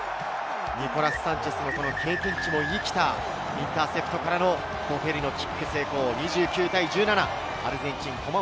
ニコラス・サンチェスの経験値も生きたインターセプトからのボフェリのキック成功！